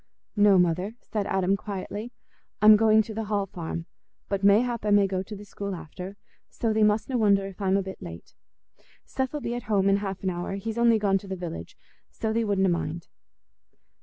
"No, Mother," said Adam, quietly. "I'm going to the Hall Farm, but mayhap I may go to the school after, so thee mustna wonder if I'm a bit late. Seth 'ull be at home in half an hour—he's only gone to the village; so thee wutna mind."